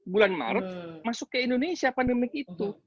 bulan maret masuk ke indonesia pandemik itu